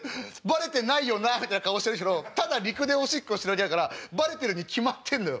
バレてないよなあみたいな顔してるけどただ陸でおしっこしただけだからバレてるに決まってんのよ。